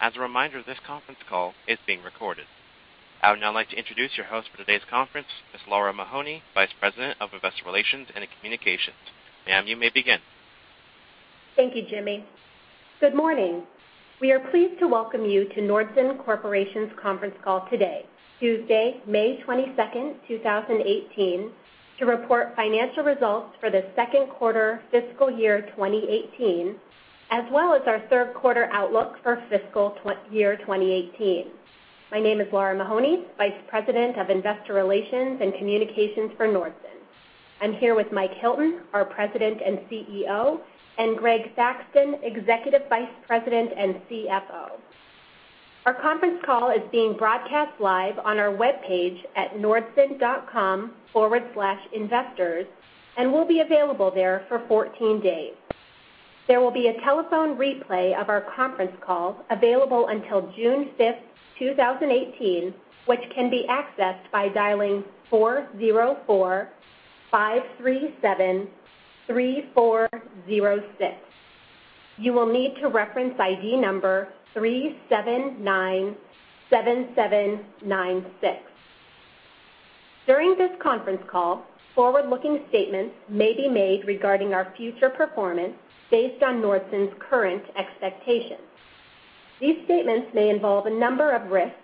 As a reminder, this conference call is being recorded. I would now like to introduce your host for today's conference, Ms. Lara Mahoney, Vice President, Investor Relations and Corporate Communications. Ma'am, you may begin. Thank you, Jimmy. Good morning. We are pleased to welcome you to Nordson Corporation's conference call today, Tuesday, May 22, 2018, to report financial results for the second quarter fiscal year 2018, as well as our third quarter outlook for fiscal year 2018. My name is Lara Mahoney, Vice President of Investor Relations and Communications for Nordson. I'm here with Michael Hilton, our President and CEO, and Greg Thaxton, Executive Vice President and CFO. Our conference call is being broadcast live on our webpage at nordson.com/investors, and will be available there for 14 days. There will be a telephone replay of our conference call available until June 5, 2018, which can be accessed by dialing 404-537-3406. You will need to reference ID number 3797796. During this conference call, forward-looking statements may be made regarding our future performance based on Nordson's current expectations. These statements may involve a number of risks,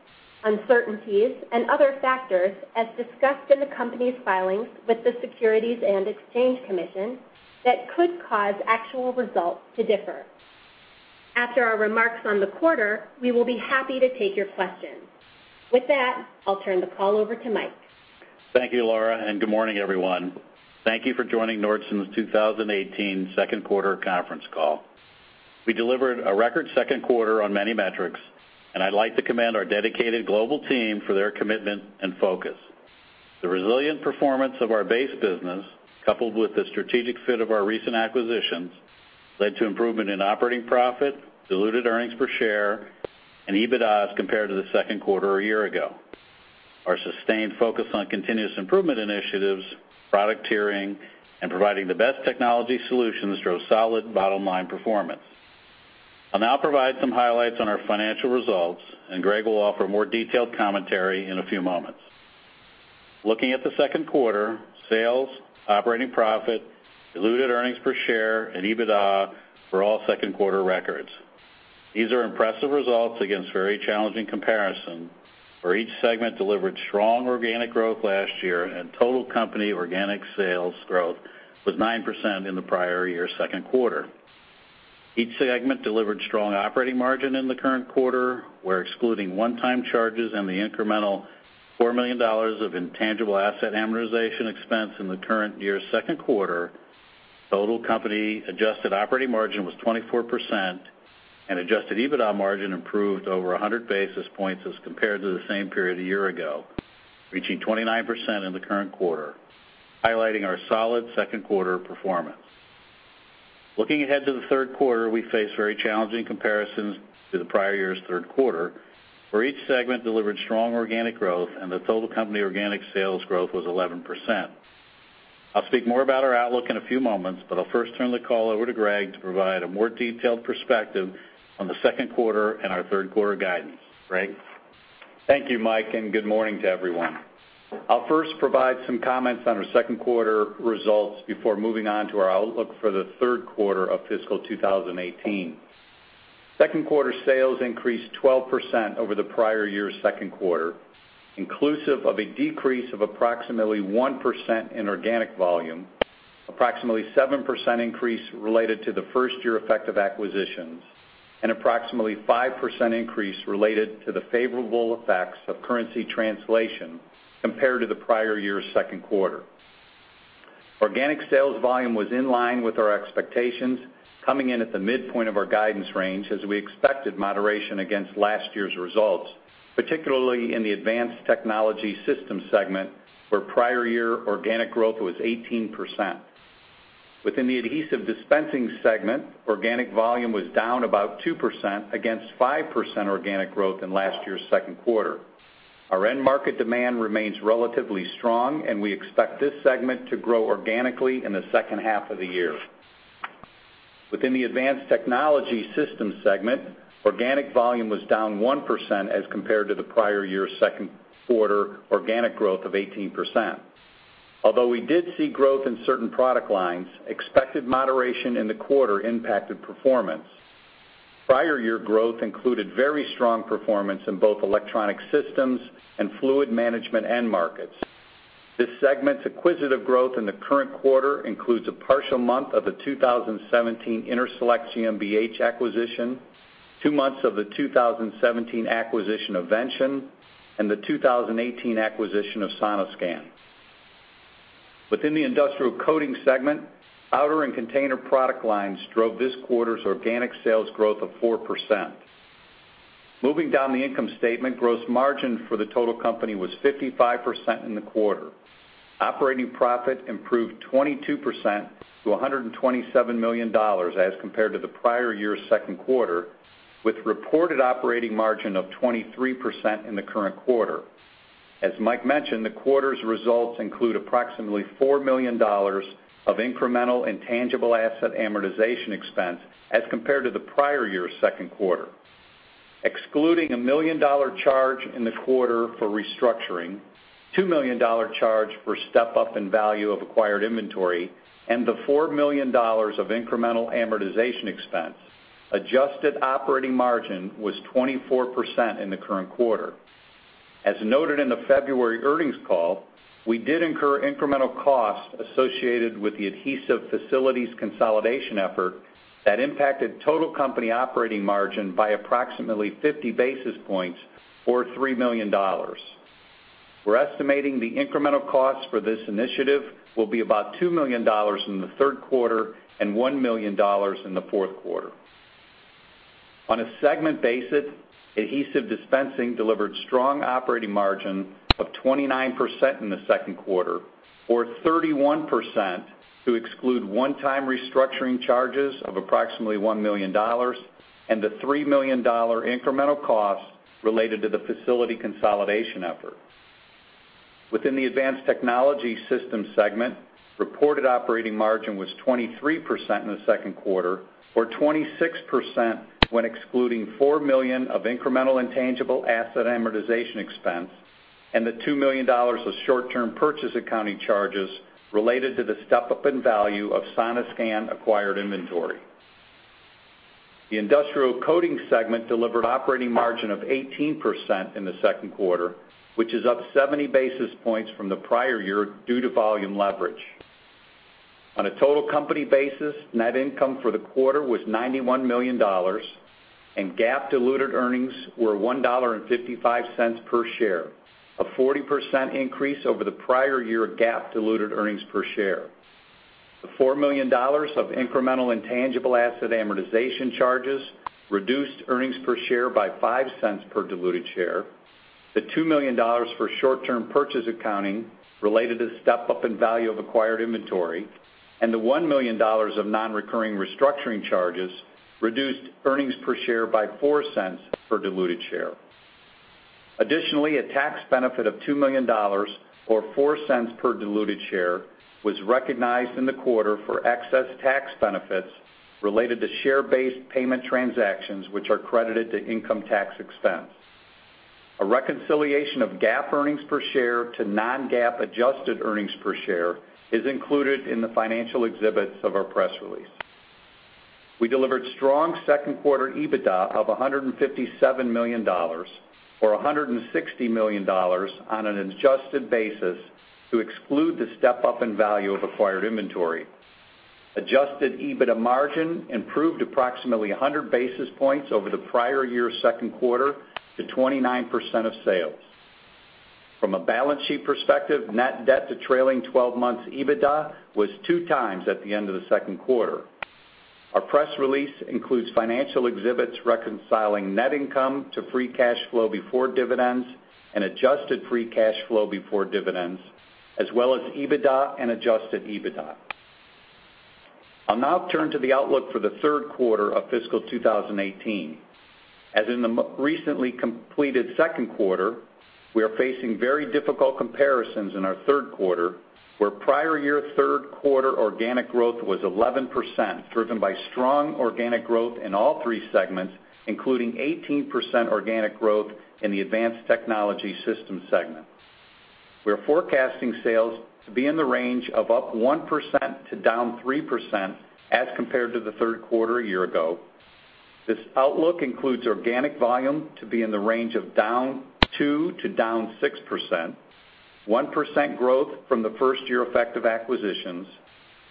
uncertainties, and other factors as discussed in the company's filings with the Securities and Exchange Commission that could cause actual results to differ. After our remarks on the quarter, we will be happy to take your questions. With that, I'll turn the call over to Mike. Thank you, Lara, and good morning, everyone. Thank you for joining Nordson's 2018 second quarter conference call. We delivered a record second quarter on many metrics, and I'd like to commend our dedicated global team for their commitment and focus. The resilient performance of our base business, coupled with the strategic fit of our recent acquisitions, led to improvement in operating profit, diluted earnings per share, and EBITDA as compared to the second quarter a year ago. Our sustained focus on continuous improvement initiatives, product tiering, and providing the best technology solutions drove solid bottom-line performance. I'll now provide some highlights on our financial results, and Greg will offer more detailed commentary in a few moments. Looking at the second quarter, sales, operating profit, diluted earnings per share, and EBITDA were all second quarter records. These are impressive results against very challenging comparison, where each segment delivered strong organic growth last year and total company organic sales growth was 9% in the prior year second quarter. Each segment delivered strong operating margin in the current quarter, where excluding one-time charges and the incremental $4 million of intangible asset amortization expense in the current year's second quarter, total company adjusted operating margin was 24% and Adjusted EBITDA margin improved over 100 basis points as compared to the same period a year ago, reaching 29% in the current quarter, highlighting our solid second quarter performance. Looking ahead to the third quarter, we face very challenging comparisons to the prior year's third quarter, where each segment delivered strong organic growth and the total company organic sales growth was 11%. I'll speak more about our outlook in a few moments, but I'll first turn the call over to Greg to provide a more detailed perspective on the second quarter and our third quarter guidance. Greg? Thank you, Mike, and good morning to everyone. I'll first provide some comments on our second quarter results before moving on to our outlook for the third quarter of fiscal 2018. Second quarter sales increased 12% over the prior year's second quarter, inclusive of a decrease of approximately 1% in organic volume, approximately 7% increase related to the first-year effect of acquisitions, and approximately 5% increase related to the favorable effects of currency translation compared to the prior year's second quarter. Organic sales volume was in line with our expectations, coming in at the midpoint of our guidance range as we expected moderation against last year's results, particularly in the Advanced Technology Systems segment, where prior year organic growth was 18%. Within the Adhesive Dispensing Systems segment, organic volume was down about 2% against 5% organic growth in last year's second quarter. Our end market demand remains relatively strong, and we expect this segment to grow organically in the second half of the year. Within the Advanced Technology Systems segment, organic volume was down 1% as compared to the prior year's second quarter organic growth of 18%. Although we did see growth in certain product lines, expected moderation in the quarter impacted performance. Prior year growth included very strong performance in both electronic systems and fluid management end markets. This segment's acquisitive growth in the current quarter includes a partial month of the 2017 InterSelect GmbH acquisition, two months of the 2017 acquisition of Vention, and the 2018 acquisition of Sonoscan. Within the Industrial Coating Systems segment, outer and container product lines drove this quarter's organic sales growth of 4%. Moving down the income statement, gross margin for the total company was 55% in the quarter. Operating profit improved 22% to $127 million as compared to the prior year's second quarter, with reported operating margin of 23% in the current quarter. As Mike mentioned, the quarter's results include approximately $4 million of incremental intangible asset amortization expense as compared to the prior year's second quarter. Excluding a $1 million-dollar charge in the quarter for restructuring, $2 million-dollar charge for step-up in value of acquired inventory, and the $4 million of incremental amortization expense, adjusted operating margin was 24% in the current quarter. As noted in the February earnings call, we did incur incremental costs associated with the adhesive facilities consolidation effort that impacted total company operating margin by approximately 50 basis points or $3 million. We're estimating the incremental costs for this initiative will be about $2 million in the third quarter and $1 million in the fourth quarter. On a segment basis, Adhesive Dispensing delivered strong operating margin of 29% in the second quarter, or 31% to exclude one-time restructuring charges of approximately $1 million and the $3 million incremental costs related to the facility consolidation effort. Within the Advanced Technology System segment, reported operating margin was 23% in the second quarter, or 26% when excluding $4 million of incremental intangible asset amortization expense and the $2 million of short-term purchase accounting charges related to the step-up in value of Sonoscan acquired inventory. The Industrial Coating segment delivered operating margin of 18% in the second quarter, which is up 70 basis points from the prior year due to volume leverage. On a total company basis, net income for the quarter was $91 million, and GAAP diluted earnings were $1.55 per share, a 40% increase over the prior year GAAP diluted earnings per share. The $4 million of incremental intangible asset amortization charges reduced earnings per share by $0.05 per diluted share. The $2 million for short-term purchase accounting related to step-up in value of acquired inventory and the $1 million of non-recurring restructuring charges reduced earnings per share by $0.04 per diluted share. Additionally, a tax benefit of $2 million, or $0.04 per diluted share, was recognized in the quarter for excess tax benefits related to share-based payment transactions, which are credited to income tax expense. A reconciliation of GAAP earnings per share to non-GAAP adjusted earnings per share is included in the financial exhibits of our press release. We delivered strong second quarter EBITDA of $157 million, or $160 million on an adjusted basis to exclude the step-up in value of acquired inventory. Adjusted EBITDA margin improved approximately 100 basis points over the prior year's second quarter to 29% of sales. From a balance sheet perspective, net debt to trailing 12 months EBITDA was 2x at the end of the second quarter. Our press release includes financial exhibits reconciling net income to free cash flow before dividends and adjusted free cash flow before dividends, as well as EBITDA and Adjusted EBITDA. I'll now turn to the outlook for the third quarter of fiscal 2018. As in the recently completed second quarter, we are facing very difficult comparisons in our third quarter, where prior year third quarter organic growth was 11%, driven by strong organic growth in all three segments, including 18% organic growth in the Advanced Technology Systems segment. We are forecasting sales to be in the range of up 1% to down 3% as compared to the third quarter a year ago. This outlook includes organic volume to be in the range of down 2% to down 6%, 1% growth from the first year effect of acquisitions,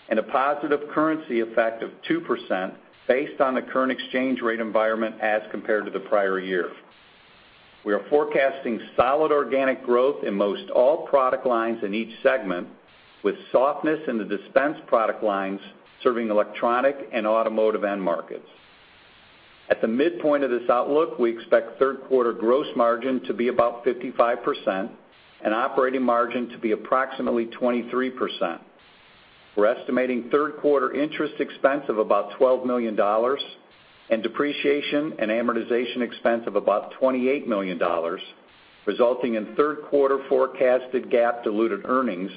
and a positive currency effect of 2% based on the current exchange rate environment as compared to the prior year. We are forecasting solid organic growth in most all product lines in each segment, with softness in the dispensing product lines serving electronic and automotive end markets. At the midpoint of this outlook, we expect third quarter gross margin to be about 55% and operating margin to be approximately 23%. We're estimating third quarter interest expense of about $12 million and depreciation and amortization expense of about $28 million, resulting in third quarter forecasted GAAP diluted earnings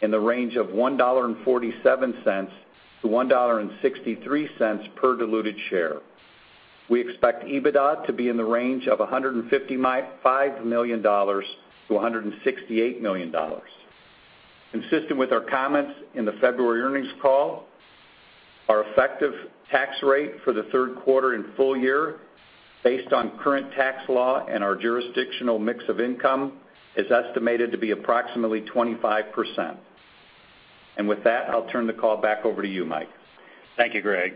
in the range of $1.47-$1.63 per diluted share. We expect EBITDA to be in the range of $155 million-$168 million. Consistent with our comments in the February earnings call, our effective tax rate for the third quarter and full year, based on current tax law and our jurisdictional mix of income, is estimated to be approximately 25%. With that, I'll turn the call back over to you, Mike. Thank you, Greg.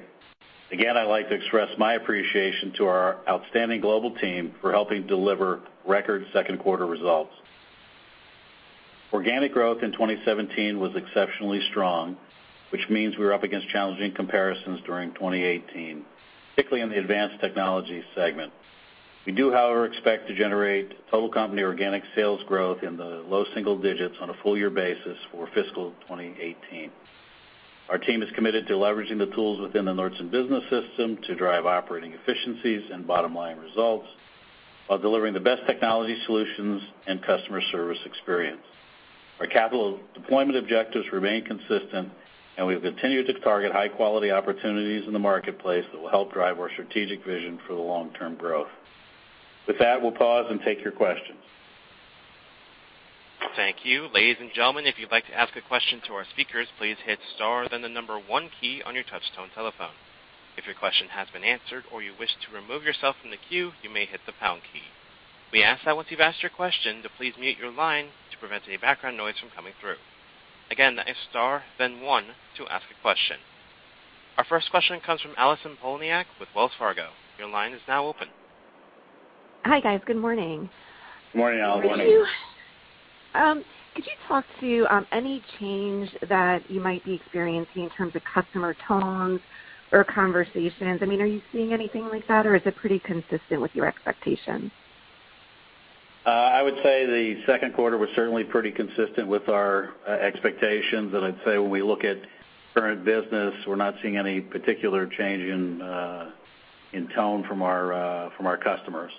Again, I'd like to express my appreciation to our outstanding global team for helping deliver record second quarter results. Organic growth in 2017 was exceptionally strong, which means we're up against challenging comparisons during 2018, particularly in the Advanced Technology Systems segment. We do, however, expect to generate total company organic sales growth in the low single digits on a full year basis for fiscal 2018. Our team is committed to leveraging the tools within the Nordson Business System to drive operating efficiencies and bottom-line results while delivering the best technology solutions and customer service experience. Our capital deployment objectives remain consistent, and we've continued to target high-quality opportunities in the marketplace that will help drive our strategic vision for the long-term growth. With that, we'll pause and take your questions. Thank you. Ladies and gentlemen, if you'd like to ask a question to our speakers, please hit star, then the number one key on your touchtone telephone. If your question has been answered or you wish to remove yourself from the queue, you may hit the pound key. We ask that once you've asked your question, to please mute your line to prevent any background noise from coming through. Again, that is star, then one to ask a question. Our first question comes from Allison Poliniak with Wells Fargo. Your line is now open. Hi, guys. Good morning. Good morning, Allison. Could you talk about any change that you might be experiencing in terms of customer tones or conversations? I mean, are you seeing anything like that, or is it pretty consistent with your expectations? I would say the second quarter was certainly pretty consistent with our expectations. I'd say when we look at current business, we're not seeing any particular change in tone from our customers.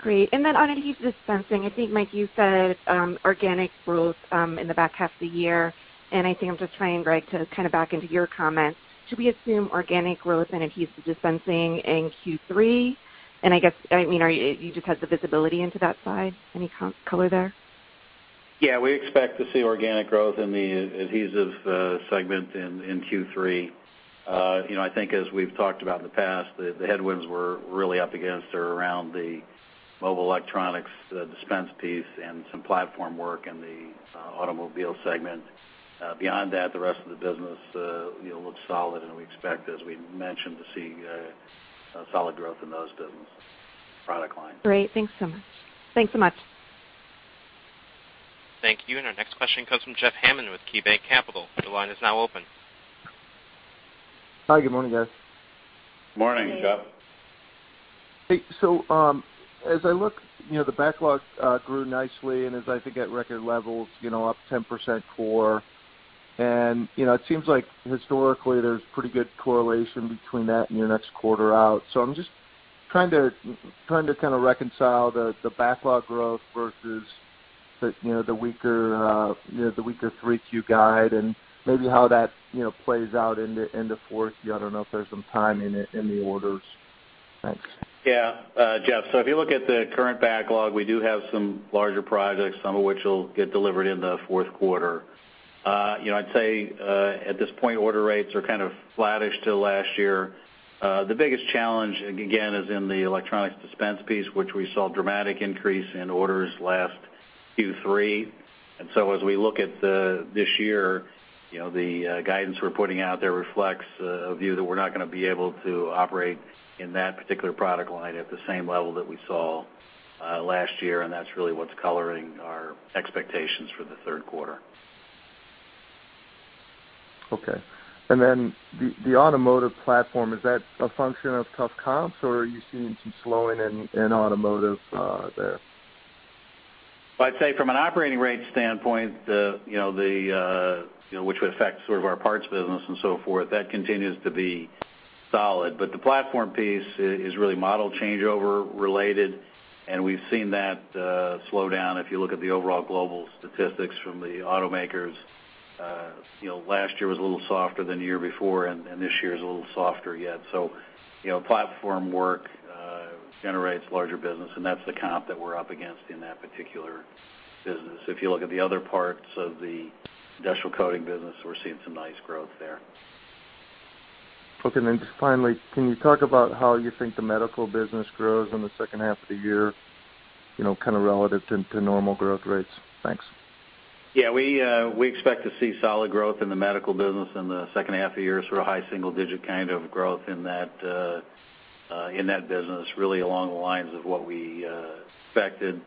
Great. Then on adhesive dispensing, I think, Mike, you said organic growth in the back half of the year. I think I'm just trying, Greg, to kind of back into your comments. Should we assume organic growth in adhesive dispensing in Q3? I guess, I mean, do you just have the visibility into that side? Any color there? Yeah. We expect to see organic growth in the adhesive segment in Q3. You know, I think as we've talked about in the past, the headwinds we're really up against are around the mobile electronics, the dispensing piece and some platform work in the automobile segment. Beyond that, the rest of the business looks solid, and we expect, as we mentioned, to see solid growth in those business product lines. Great. Thanks so much. Thank you. Our next question comes from Jeff Hammond with KeyBanc Capital. Your line is now open. Hi. Good morning, guys. Morning, Jeff. Hey. As I look, you know, the backlog grew nicely and is, I think, at record levels, you know, up 10% core. It seems like historically there's pretty good correlation between that and your next quarter out. I'm just trying to kind of reconcile the backlog growth versus the, you know, the weaker 3Q guide and maybe how that, you know, plays out into fourth. I don't know if there's some timing in the orders. Thanks. Yeah. Jeff, so if you look at the current backlog, we do have some larger projects, some of which will get delivered in the fourth quarter. You know, I'd say, at this point, order rates are kind of flattish to last year. The biggest challenge, again, is in the electronics dispense piece, which we saw dramatic increase in orders last Q3. As we look at this year, you know, the guidance we're putting out there reflects a view that we're not gonna be able to operate in that particular product line at the same level that we saw last year, and that's really what's coloring our expectations for the third quarter. Okay. The automotive platform, is that a function of tough comps, or are you seeing some slowing in automotive, there? I'd say from an operating rate standpoint, you know, which would affect sort of our parts business and so forth, that continues to be solid. The platform piece is really model changeover related, and we've seen that slow down. If you look at the overall global statistics from the automakers, you know, last year was a little softer than the year before, and this year is a little softer yet. You know, platform work generates larger business, and that's the comp that we're up against in that particular business. If you look at the other parts of the Industrial Coating business, we're seeing some nice growth there. Okay. Just finally, can you talk about how you think the medical business grows in the second half of the year, you know, kind of relative to normal growth rates? Thanks. Yeah. We expect to see solid growth in the medical business in the second half of the year, sort of high single digit kind of growth in that business, really along the lines of what we expected.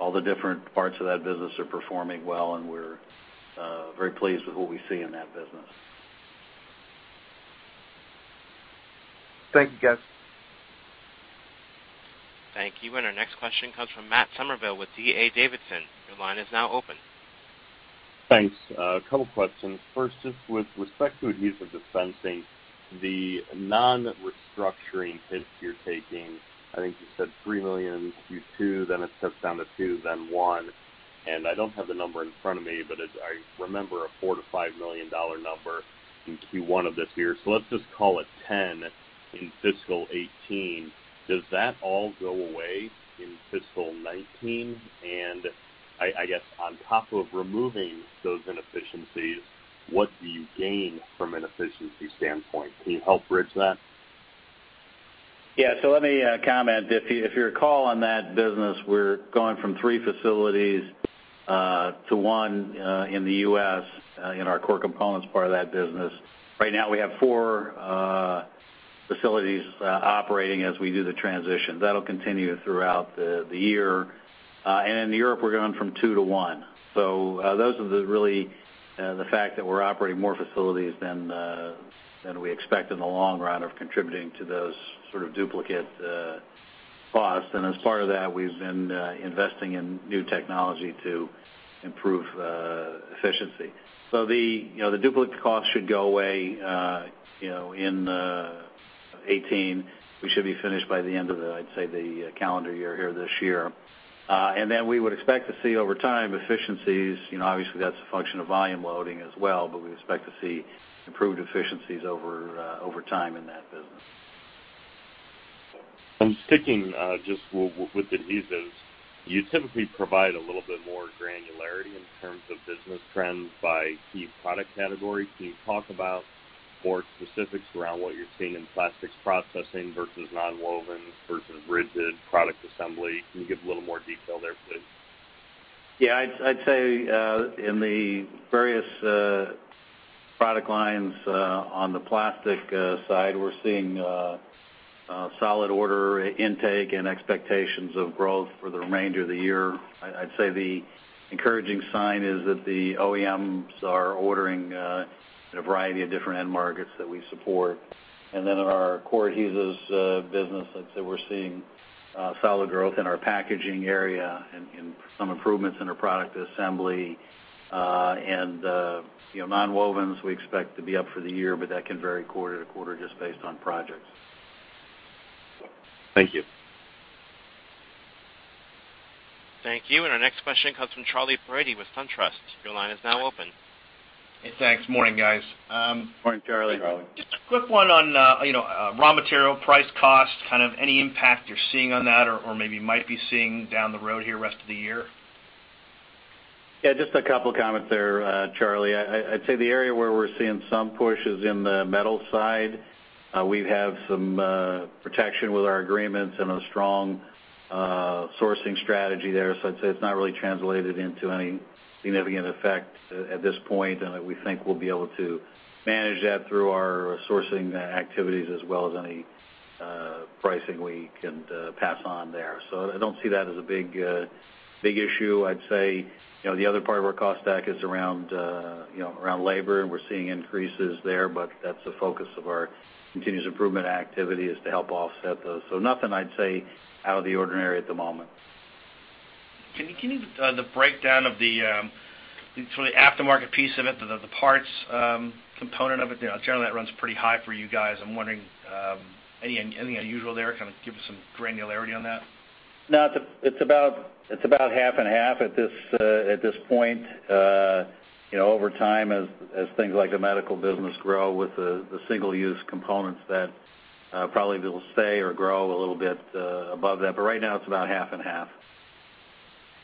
All the different parts of that business are performing well, and we're very pleased with what we see in that business. Thank you, guys. Thank you. Our next question comes from Matt Summerville with D.A. Davidson. Your line is now open. Thanks. A couple questions. First, just with respect to adhesive dispensing, the non-restructuring hits you're taking, I think you said $3 million in Q2, then it steps down to $2 million, then $1 million. I don't have the number in front of me, but it's, I remember, a $4 million-$5 million number in Q1 of this year. Let's just call it $10 million in fiscal 2018. Does that all go away in fiscal 2019? I guess on top of removing those inefficiencies, what do you gain from an efficiency standpoint? Can you help bridge that? Yeah. Let me comment. If you recall on that business, we're going from three facilities to one in the U.S. in our core components part of that business. Right now, we have four facilities operating as we do the transition. That'll continue throughout the year. In Europe, we're going from two to one. Those are really the fact that we're operating more facilities than we expect in the long run are contributing to those sort of duplicate cost. As part of that, we've been investing in new technology to improve efficiency. You know, the duplicate cost should go away, you know, in 2018. We should be finished by the end of the, I'd say, the calendar year here this year. We would expect to see over time efficiencies. You know, obviously, that's a function of volume loading as well, but we expect to see improved efficiencies over time in that business. I'm sticking just with adhesives. You typically provide a little bit more granularity in terms of business trends by key product category. Can you talk about more specifics around what you're seeing in plastics processing versus nonwovens versus rigid product assembly? Can you give a little more detail there, please? Yeah. I'd say in the various product lines on the plastic side, we're seeing solid order intake and expectations of growth for the remainder of the year. I'd say the encouraging sign is that the OEMs are ordering in a variety of different end markets that we support. In our core adhesives business, I'd say we're seeing solid growth in our packaging area and some improvements in our product assembly. You know, nonwovens, we expect to be up for the year, but that can vary quarter to quarter just based on projects. Thank you. Thank you. Our next question comes from Charley Brady with SunTrust. Your line is now open. Thanks. Morning, guys. Morning, Charley. Just a quick one on, you know, raw material price cost, kind of any impact you're seeing on that or maybe might be seeing down the road here rest of the year? Yeah, just a couple comments there, Charley. I'd say the area where we're seeing some push is in the metal side. We have some protection with our agreements and a strong sourcing strategy there. So I'd say it's not really translated into any significant effect at this point. We think we'll be able to manage that through our sourcing activities as well as any pricing we can pass on there. So I don't see that as a big issue. I'd say, you know, the other part of our cost stack is around, you know, around labor, and we're seeing increases there, but that's the focus of our continuous improvement activity, is to help offset those. So nothing I'd say out of the ordinary at the moment. Can you give me the breakdown of the sort of the aftermarket piece of it, the parts component of it? You know, generally that runs pretty high for you guys. I'm wondering anything unusual there? Kinda give us some granularity on that. No. It's about half and half at this point. You know, over time, as things like the medical business grow with the single-use components, that probably will stay or grow a little bit above that. Right now, it's about half and half.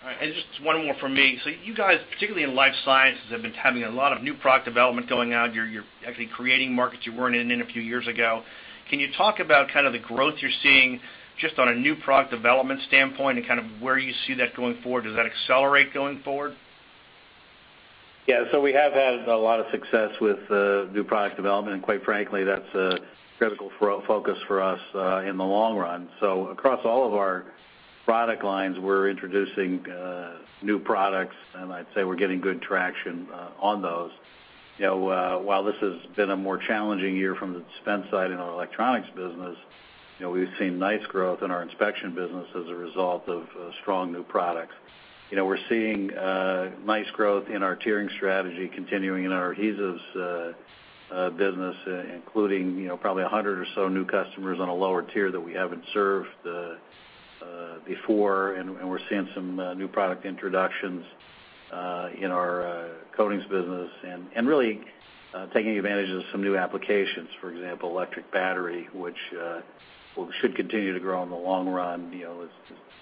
All right. Just one more from me. You guys, particularly in life sciences, have been having a lot of new product development going on. You're actually creating markets you weren't in a few years ago. Can you talk about kind of the growth you're seeing just on a new product development standpoint and kind of where you see that going forward? Does that accelerate going forward? Yeah. We have had a lot of success with new product development. Quite frankly, that's a critical focus for us in the long run. Across all of our product lines, we're introducing new products, and I'd say we're getting good traction on those. You know, while this has been a more challenging year from the dispense side in our electronics business, you know, we've seen nice growth in our inspection business as a result of strong new products. You know, we're seeing nice growth in our tiering strategy continuing in our adhesives business, including, you know, probably 100 or so new customers on a lower tier that we haven't served before. We're seeing some new product introductions in our coatings business and really taking advantage of some new applications. For example, electric battery, which should continue to grow in the long run, you know,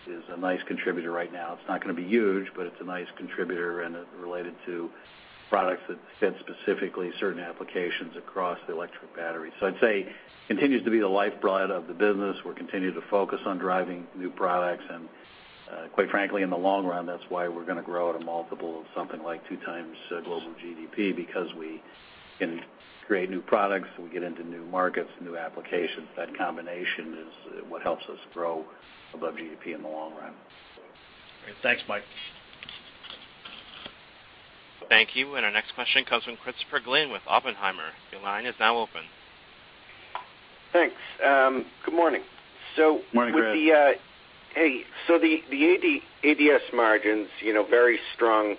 is a nice contributor right now. It's not gonna be huge, but it's a nice contributor, and it's related to products that fit specifically certain applications across the electric battery. I'd say it continues to be the lifeblood of the business. We're continuing to focus on driving new products. Quite frankly, in the long run, that's why we're gonna grow at a multiple of something like 2x global GDP because we can create new products, we get into new markets, new applications. That combination is what helps us grow above GDP in the long run. Great. Thanks, Mike. Thank you. Our next question comes from Christopher Glynn with Oppenheimer. Your line is now open. Thanks. Good morning. Morning, Chris. The ADS margins, you know, very strong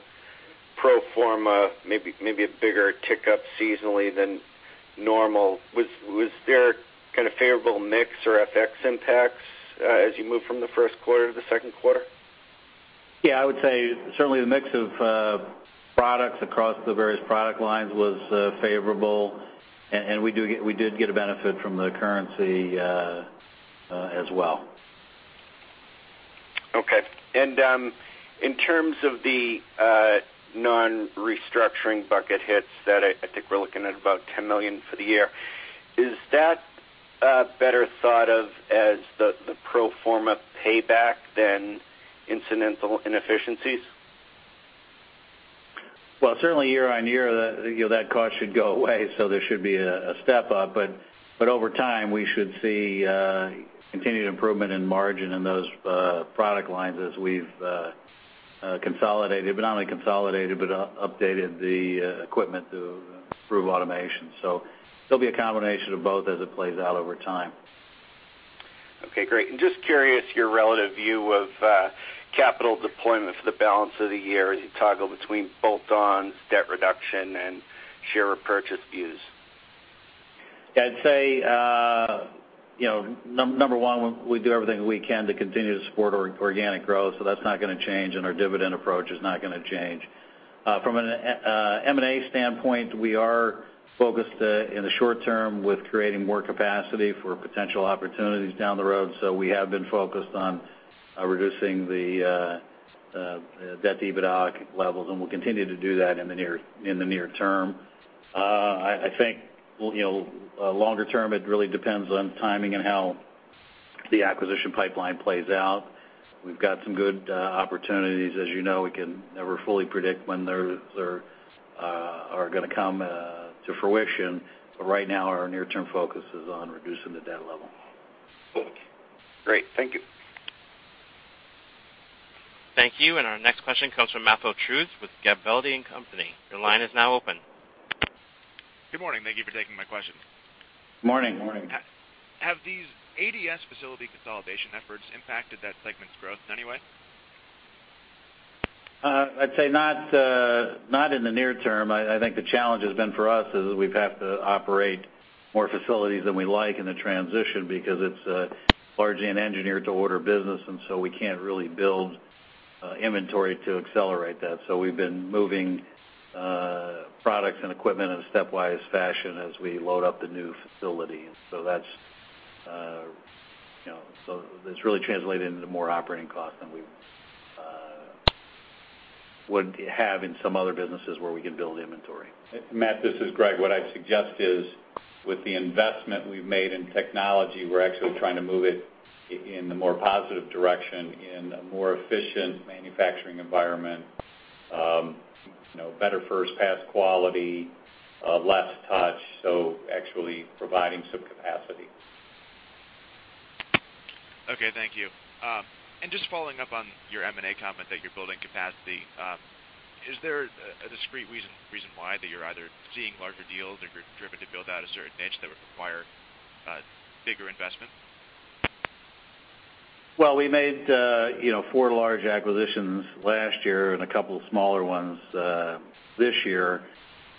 pro forma, maybe a bigger tick up seasonally than normal. Was there kind of favorable mix or FX impacts, as you moved from the first quarter to the second quarter? Yeah. I would say certainly the mix of products across the various product lines was favorable. We did get a benefit from the currency as well. In terms of the non-restructuring bucket hits that I think we're looking at about $10 million for the year, is that better thought of as the pro forma payback than incidental inefficiencies? Well, certainly year-over-year, you know, that cost should go away, so there should be a step up. Over time, we should see continued improvement in margin in those product lines as we've consolidated, but not only consolidated, but updated the equipment to improve automation. There'll be a combination of both as it plays out over time. Okay, great. Just curious your relative view of capital deployment for the balance of the year as you toggle between bolt-ons, debt reduction, and share repurchase views? Yeah, I'd say, you know, number one, we do everything we can to continue to support organic growth, so that's not gonna change, and our dividend approach is not gonna change. From an M&A standpoint, we are focused in the short term with creating more capacity for potential opportunities down the road. We have been focused on reducing the debt-to-EBITDA levels, and we'll continue to do that in the near term. I think, you know, longer term, it really depends on timing and how the acquisition pipeline plays out. We've got some good opportunities. As you know, we can never fully predict when those are gonna come to fruition. Right now, our near-term focus is on reducing the debt level. Great. Thank you. Thank you. Our next question comes from Matthew Trusz with Gabelli & Company. Your line is now open. Good morning. Thank you for taking my question. Morning. Morning. Have these ADS facility consolidation efforts impacted that segment's growth in any way? I'd say not in the near term. I think the challenge has been for us is we've had to operate more facilities than we like in the transition because it's largely an engineer to order business, and so we can't really build inventory to accelerate that. We've been moving products and equipment in a stepwise fashion as we load up the new facility. That's, you know, really translated into more operating costs than we would have in some other businesses where we can build inventory. Matt, this is Greg. What I'd suggest is, with the investment we've made in technology, we're actually trying to move it in the more positive direction, in a more efficient manufacturing environment, you know, better first pass quality, less touch, so actually providing some capacity. Okay, thank you. Just following up on your M&A comment that you're building capacity, is there a discrete reason why that you're either seeing larger deals or you're driven to build out a certain niche that would require bigger investment? Well, we made, you know, four large acquisitions last year and a couple of smaller ones, this year.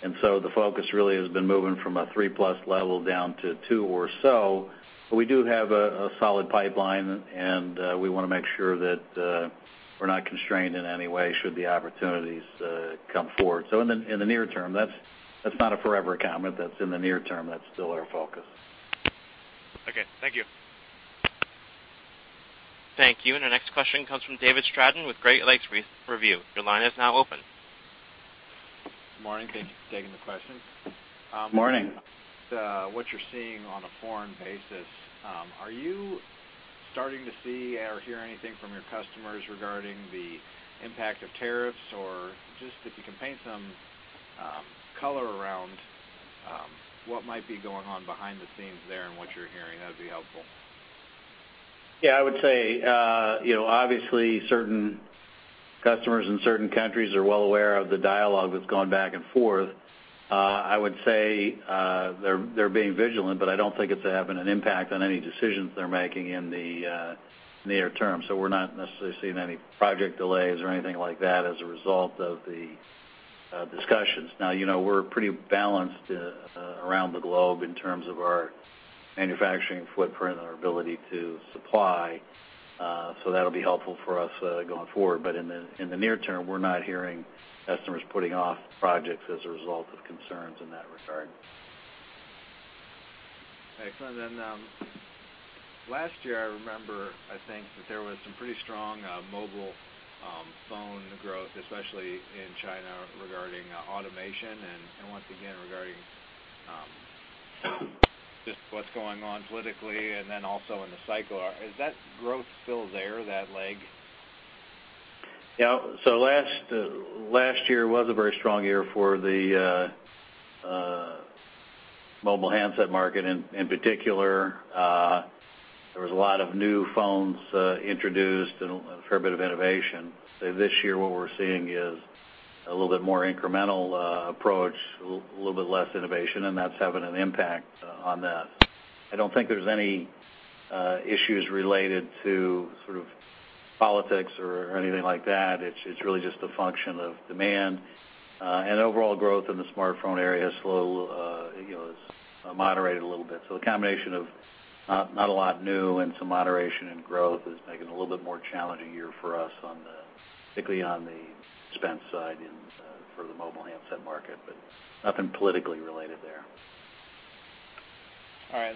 The focus really has been moving from a three-plus level down to two or so. We do have a solid pipeline, and we wanna make sure that we're not constrained in any way should the opportunities come forward. In the near term, that's not a forever comment. That's in the near term. That's still our focus. Okay, thank you. Thank you. Our next question comes from David Stratton with Great Lakes Review. Your line is now open. Good morning. Thank you for taking the question. Morning. What you're seeing on a foreign basis, are you starting to see or hear anything from your customers regarding the impact of tariffs? Or just if you can paint some color around what might be going on behind the scenes there and what you're hearing, that would be helpful. Yeah, I would say, you know, obviously, certain customers in certain countries are well aware of the dialogue that's gone back and forth. I would say, they're being vigilant, but I don't think it's having an impact on any decisions they're making in the near term. We're not necessarily seeing any project delays or anything like that as a result of the discussions. Now, you know, we're pretty balanced around the globe in terms of our manufacturing footprint and our ability to supply, so that'll be helpful for us going forward. In the near term, we're not hearing customers putting off projects as a result of concerns in that regard. Excellent. Last year, I remember, I think that there was some pretty strong mobile phone growth, especially in China regarding automation and once again regarding just what's going on politically and then also in the cycle. Is that growth still there, that leg? Yeah. Last year was a very strong year for the mobile handset market. In particular, there was a lot of new phones introduced and a fair bit of innovation. This year, what we're seeing is a little bit more incremental approach, a little bit less innovation, and that's having an impact on that. I don't think there's any issues related to sort of politics or anything like that. It's really just a function of demand. Overall growth in the smartphone area has slowed, you know, it's moderated a little bit. The combination of not a lot new and some moderation in growth is making it a little bit more challenging year for us, particularly on the spend side in for the mobile handset market, but nothing politically related there. All right,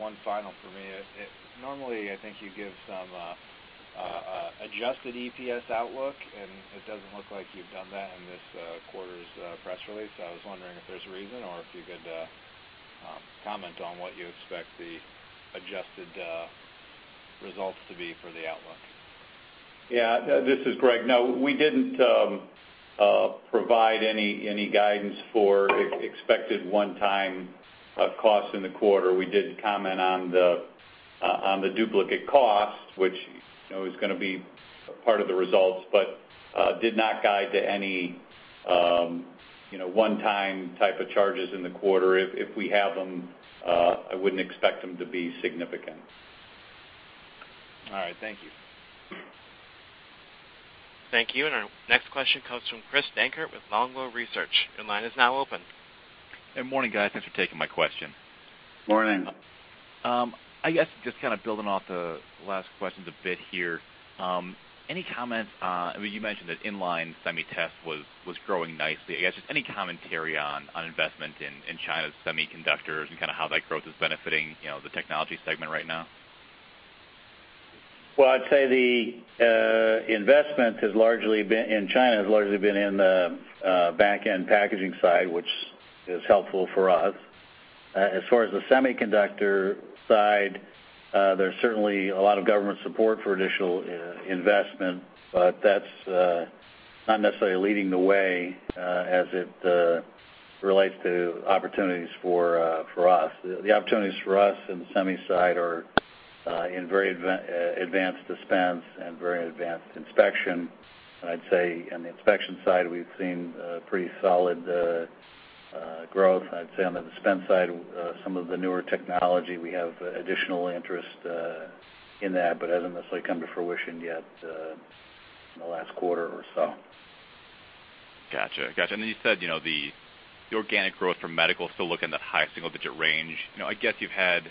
one final for me. Normally, I think you give some adjusted EPS outlook, and it doesn't look like you've done that in this quarter's press release. I was wondering if there's a reason or if you could comment on what you expect the adjusted results to be for the outlook. Yeah. This is Greg. No, we didn't provide any guidance for expected one-time cost in the quarter. We did comment on the duplicate cost, which, you know, is gonna be part of the results, but did not guide to any, you know, one-time type of charges in the quarter. If we have them, I wouldn't expect them to be significant. All right. Thank you. Thank you. Our next question comes from Chris Dankert with Longbow Research. Your line is now open. Good morning, guys. Thanks for taking my question. Morning. I guess, just kind of building off the last question a bit here. Any comments, I mean, you mentioned that in-line semi test was growing nicely. I guess, just any commentary on investment in China's semiconductors and kinda how that growth is benefiting, you know, the technology segment right now? Well, I'd say the investment in China has largely been in the back-end packaging side, which is helpful for us. As far as the semiconductor side, there's certainly a lot of government support for additional investment, but that's not necessarily leading the way, as it relates to opportunities for us. The opportunities for us in the semi side are in very advanced dispense and very advanced inspection. I'd say, on the inspection side, we've seen pretty solid growth. I'd say on the dispense side, some of the newer technology, we have additional interest in that, but hasn't necessarily come to fruition yet in the last quarter or so. Gotcha. You said, you know, the organic growth for medical is still looking at high single digit range. You know, I guess, you've had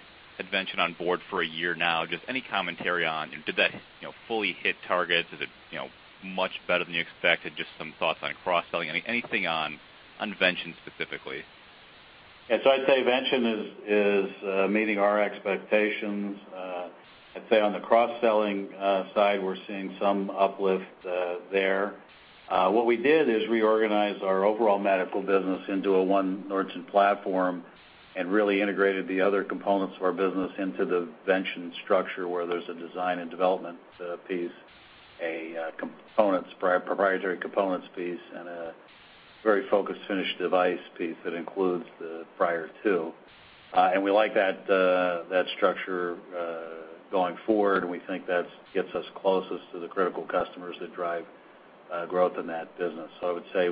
Vention on board for a year now. Just any commentary on, did that, you know, fully hit targets? Is it, you know, much better than you expected? Just some thoughts on cross-selling. Anything on Vention specifically. Yes. I'd say Vention is meeting our expectations. I'd say on the cross-selling side, we're seeing some uplift there. What we did is reorganized our overall medical business into a one Nordson platform and really integrated the other components of our business into the Vention structure, where there's a design and development piece, a components proprietary components piece, and a very focused finished device piece that includes the prior two. We like that structure going forward, and we think that gets us closest to the critical customers that drive growth in that business. I would say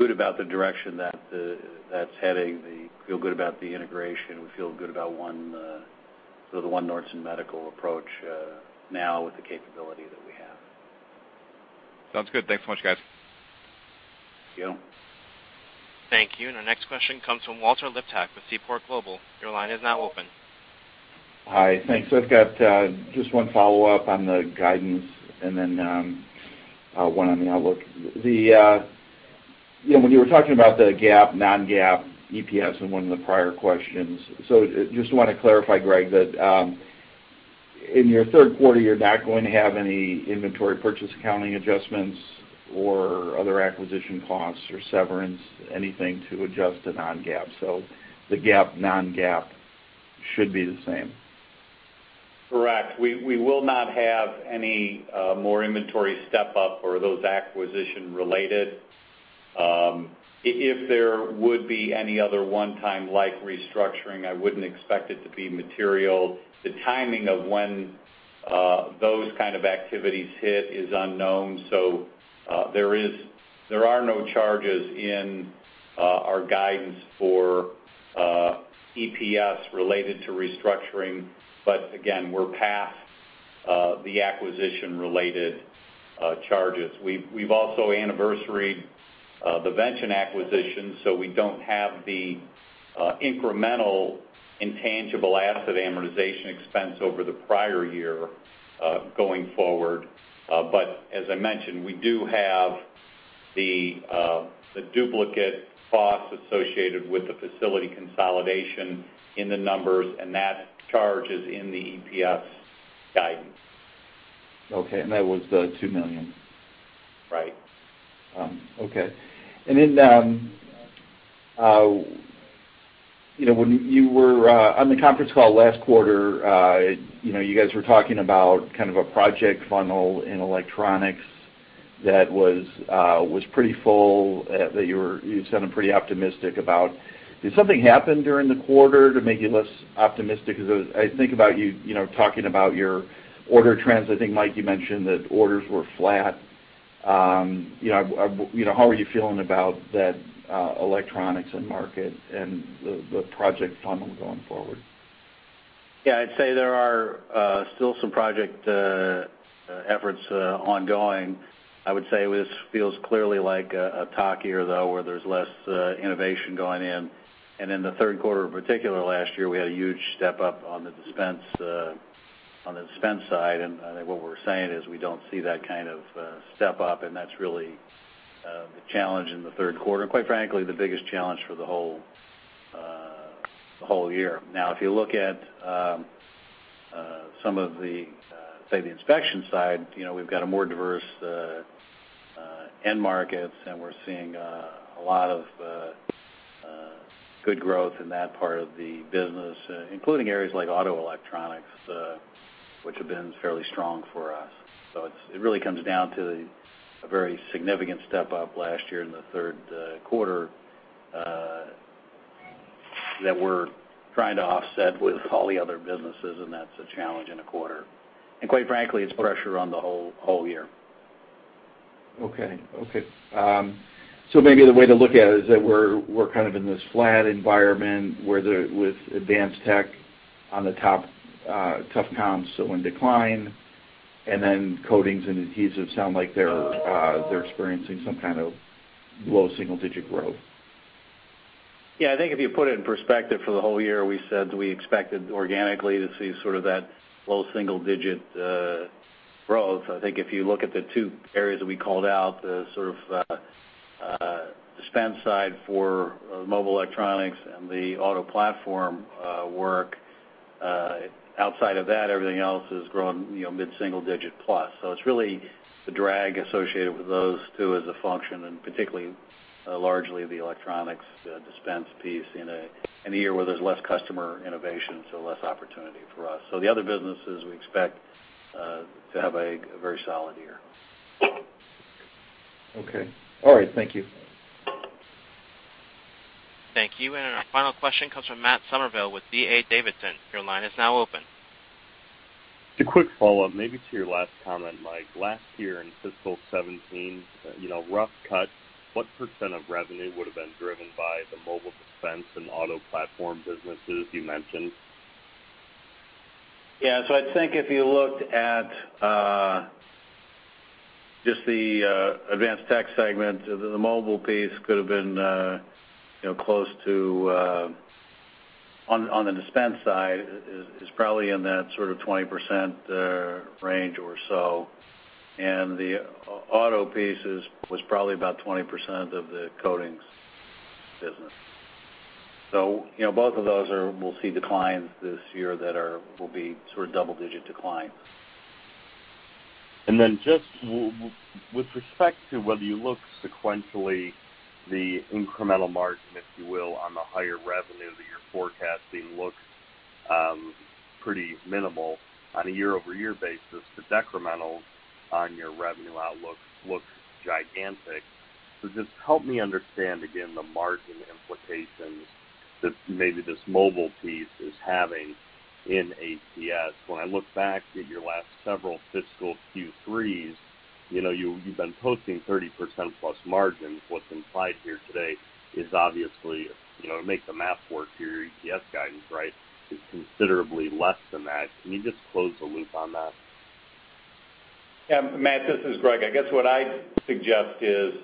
we feel good about the direction that's heading. We feel good about the integration. We feel good about one, the one Nordson medical approach now with the capability that we have. Sounds good. Thanks so much, guys. Thank you. Thank you. Our next question comes from Walter Liptak with Seaport Global. Your line is now open. Hi. Thanks. I've got just one follow-up on the guidance and then one on the outlook. You know, when you were talking about the GAAP, non-GAAP, EPS in one of the prior questions, just wanna clarify, Greg, that in your third quarter, you're not going to have any inventory purchase accounting adjustments or other acquisition costs or severance, anything to adjust to non-GAAP. So the GAAP, non-GAAP should be the same. Correct. We will not have any more inventory step-up or those acquisition-related. If there would be any other one-time like restructuring, I wouldn't expect it to be material. The timing of when those kind of activities hit is unknown. There are no charges in our guidance for EPS related to restructuring, but again, we're past the acquisition-related charges. We've also anniversaried the Vention acquisition, so we don't have the incremental intangible asset amortization expense over the prior year going forward. But as I mentioned, we do have the duplicate costs associated with the facility consolidation in the numbers, and that charge is in the EPS guidance. Okay. That was the $2 million? Right. Okay. You know, when you were on the conference call last quarter, you know, you guys were talking about kind of a project funnel in electronics that was pretty full, that you sounded pretty optimistic about. Did something happen during the quarter to make you less optimistic? 'Cause I think about you know, talking about your order trends. I think, Mike, you mentioned that orders were flat. You know, how are you feeling about that electronics end market and the project funnel going forward? Yeah, I'd say there are still some project efforts ongoing. I would say this feels clearly like a tough year, though, where there's less innovation going in. In the third quarter, in particular last year, we had a huge step up on the dispense side, and I think what we're saying is we don't see that kind of step up, and that's really the challenge in the third quarter, and quite frankly, the biggest challenge for the whole year. Now, if you look at some of the, say, the inspection side, you know, we've got a more diverse end markets, and we're seeing a lot of good growth in that part of the business, including areas like auto electronics, which have been fairly strong for us. It really comes down to a very significant step up last year in the third quarter that we're trying to offset with all the other businesses, and that's a challenge in a quarter. Quite frankly, it's pressure on the whole year. Maybe the way to look at it is that we're kind of in this flat environment, where with advanced tech on the top, tough comps, so in decline, and then coatings and adhesives sound like they're experiencing some kind of low single-digit growth. Yeah, I think if you put it in perspective for the whole year, we said we expected organically to see sort of that low single-digit growth. I think if you look at the two areas that we called out, the sort of dispense side for mobile electronics and the auto platform work, outside of that, everything else has grown, you know, mid-single-digit plus. It's really the drag associated with those two as a function, and particularly, largely the electronics dispense piece in a year where there's less customer innovation, so less opportunity for us. The other businesses, we expect to have a very solid year. Okay. All right. Thank you. Thank you. Our final question comes from Matt Summerville with D.A. Davidson. Your line is now open. A quick follow-up, maybe to your last comment, Mike. Last year in fiscal 2017, you know, rough cut, what percent of revenue would have been driven by the mobile dispense and auto platform businesses you mentioned? Yeah. I think if you looked at just the advanced tech segment, the mobile piece could have been you know, close to on the dispense side is probably in that sort of 20% range or so. The auto piece was probably about 20% of the coatings business. You know, both of those will see declines this year that will be sort of double-digit declines. Just with respect to whether you look sequentially, the incremental margin, if you will, on the higher revenue that you're forecasting looks pretty minimal on a year-over-year basis. The decremental on your revenue outlook looks gigantic. Just help me understand again the margin implications that maybe this mobile piece is having in ATS. When I look back at your last several fiscal Q3s, you know, you've been posting 30%+ margins. What's implied here today is obviously, you know, to make the math work to your EPS guidance, right, is considerably less than that. Can you just close the loop on that? Yeah, Matt, this is Greg. I guess what I'd suggest is,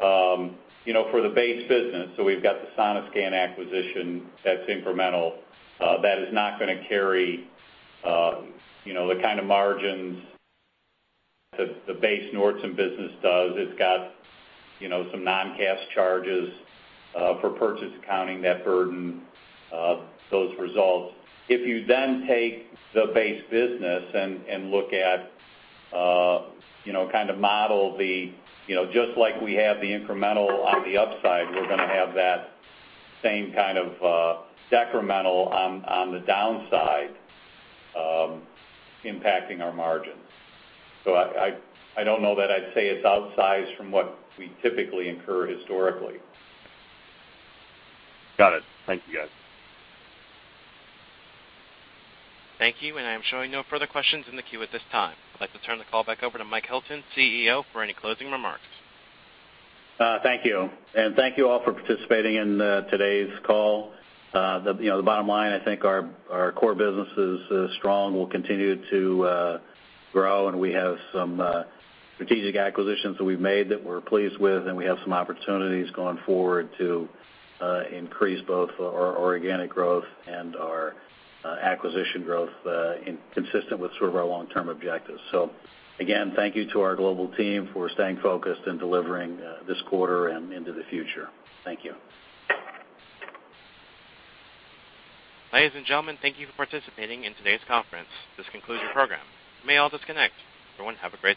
you know, for the base business, so we've got the Sonoscan acquisition that's incremental, that is not gonna carry, you know, the kind of margins the base Nordson business does. It's got, you know, some non-cash charges, for purchase accounting that burden those results. If you then take the base business and look at, you know, kind of model the, you know, just like we have the incremental on the upside, we're gonna have that same kind of decremental on the downside, impacting our margins. I don't know that I'd say it's outsized from what we typically incur historically. Got it. Thank you, guys. Thank you. I am showing no further questions in the queue at this time. I'd like to turn the call back over to Mike Hilton, CEO, for any closing remarks. Thank you. Thank you all for participating in today's call. You know, the bottom line, I think our core business is strong. We'll continue to grow, and we have some strategic acquisitions that we've made that we're pleased with, and we have some opportunities going forward to increase both our organic growth and our acquisition growth, consistent with sort of our long-term objectives. Again, thank you to our global team for staying focused and delivering this quarter and into the future. Thank you. Ladies and gentlemen, thank you for participating in today's conference. This concludes your program. You may all disconnect. Everyone, have a great day.